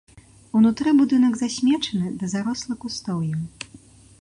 Унутры будынак засмечаны ды зарослы кустоўем.